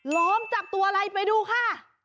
ล้อมจับตัวอะไรไปดูค่ะ